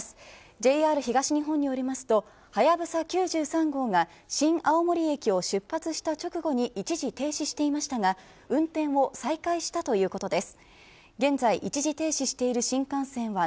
ＪＲ東日本によりますとはやぶさ９３号が新青森駅を出発した直後に一時停止していましたが運転を再開したということです。